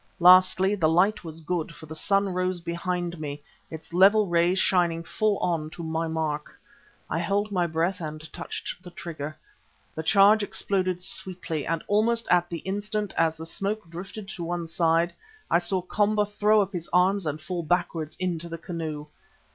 Lastly, the light was good, for the sun rose behind me, its level rays shining full on to my mark. I held my breath and touched the trigger. The charge exploded sweetly and almost at the instant; as the smoke drifted to one side, I saw Komba throw up his arms and fall backwards into the canoe.